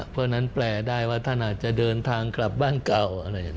เพราะฉะนั้นแปลได้ว่าท่านอาจจะเดินทางกลับบ้านเก่าอะไร